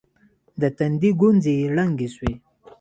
د تندي گونځې يې ړنګې سوې.